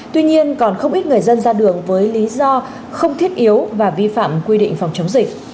tuy nhiên còn không ít người dân ra đường với lý do không thiết yếu và vi phạm quy định phòng chống dịch